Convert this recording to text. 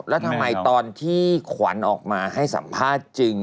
แล้วทำไมตอนที่ขวัญออกมาให้สัมภาษณ์จริง